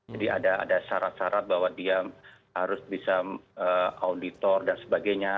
jadi ada syarat syarat bahwa dia harus bisa auditor dan sebagainya